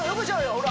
ほら